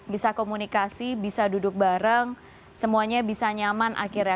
bisa komunikasi bisa duduk bareng semuanya bisa nyaman akhirnya